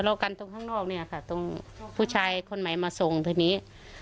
กันตรงข้างนอกเนี่ยค่ะตรงผู้ชายคนใหม่มาส่งทีนี้